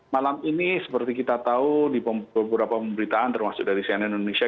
malam ini seperti kita tahu di beberapa pemberitaan termasuk dari cnn indonesia